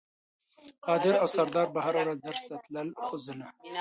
قادر او سردار به هره ورځ درس ته تلل خو زه نه.